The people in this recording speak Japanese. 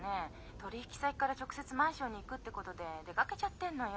取引先から直接マンションに行くってことで出かけちゃってんのよ。